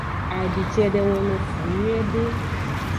Adi cede wono fu nyuiede.